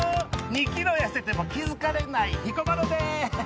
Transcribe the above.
２ｋｇ痩せても気づかれない彦摩呂です。